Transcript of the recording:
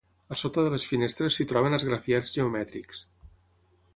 A sota de les finestres s'hi troben esgrafiats geomètrics.